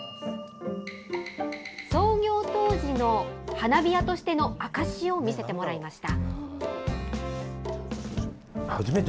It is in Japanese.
創業当時の花火屋としての証しを見せてもらいました。